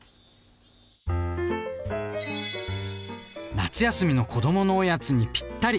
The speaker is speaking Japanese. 夏休みの子どものおやつにぴったり！